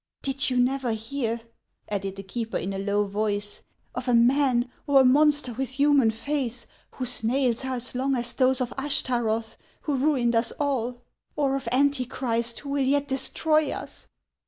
Did you never hear," added the keeper in a low voice, " of a man or a monster with human face, whose nails are as long as those of Ashtaroth who ruined us all, or of Antichrist who will yet destroy us